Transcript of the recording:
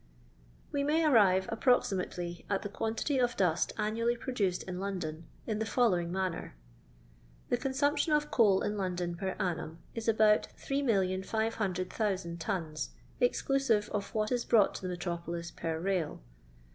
We may arrive, approximately, at the quantity of dust annually produced in London, in the fol lowing manner :— The consumption of coal in London, per annum, is about 8,500,000 tons, exclusive of what is brought to the metropolis per rail.